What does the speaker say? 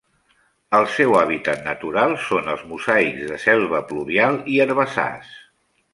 El seu hàbitat natural són els mosaics de selva pluvial i herbassars.